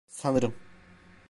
Sanırım...